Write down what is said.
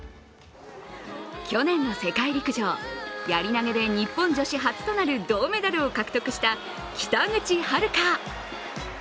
去年の世界陸上、やり投げで日本女子初となる銅メダルを獲得した北口榛花。